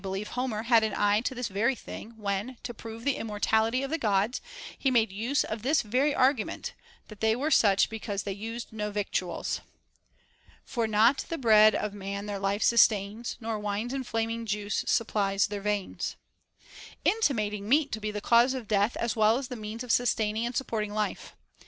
believe Homer had an eye to this very thing, when, to prove the immortality of the Gods, he made use of this very argu ment, that they were such because they used no victuals ; For not the bread of man their life sustains, Nor wine's inflaming juice supplies their veins ;* intimating meat to be the cause of death as well as the means of sustaining and supporting life.